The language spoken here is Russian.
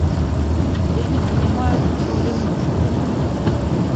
Я не понимаю тут роли мужа.